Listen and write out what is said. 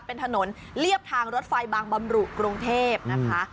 เป็นถนนเรียบทางรถไฟบางบำรุกรุงเทพนะคะ